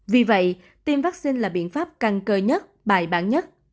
vì vậy tiêm vắc xin là biện pháp căng cơ nhất bài bản nhất